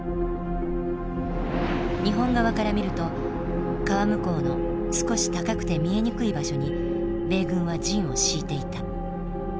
日本側から見ると川向こうの少し高くて見えにくい場所に米軍は陣を敷いていた。